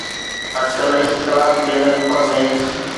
اٽڪل هڪ ڪلاڪ جي هن سفر ۾